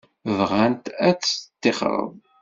Bɣant ad teṭṭixreḍ.